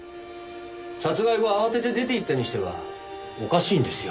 殺害後慌てて出て行ったにしてはおかしいんですよ。